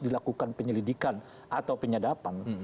untuk melakukan penyelidikan atau penyedapan